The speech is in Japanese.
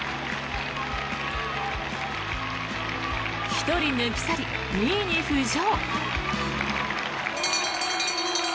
１人抜き去り２位に浮上。